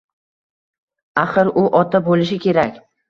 Axir u ota bo`lishi kerak